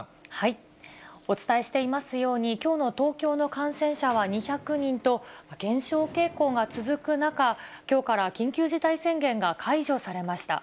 お伝えしていますように、きょうの東京の感染者は２００人と、減少傾向が続く中、きょうから緊急事態宣言が解除されました。